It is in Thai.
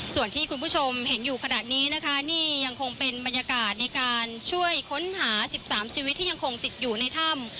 ส่วนที่คุณผู้ชมเห็นอยู่ขนาดนี้นะคะนี่ยังคงเป็นบรรยากาศในการช่วยค้นหา๑๓ชีวิตที่ยังคงติดอยู่ในถ้ำ